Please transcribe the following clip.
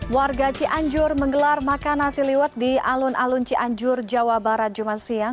warga cianjur menggelar makan nasi liwet di alun alun cianjur jawa barat jumat siang